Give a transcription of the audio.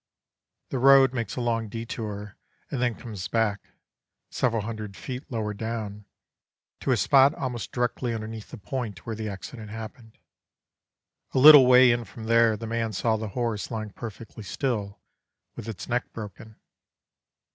"The road makes a long détour, and then comes back, several hundred feet lower down, to a spot almost directly underneath the point where the accident happened. A little way in from there the man saw the horse lying perfectly still, with its neck broken.